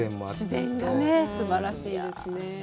自然がね、すばらしいですね。